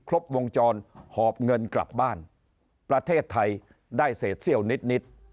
ครบวงจรหอบเงินกลับบ้านประเทศไทยได้เศษเซี่ยวนิด